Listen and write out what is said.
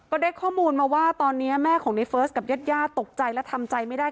ได้ข้อมูลมาว่าตอนนี้แม่ของในเฟิร์สกับญาติญาติตกใจและทำใจไม่ได้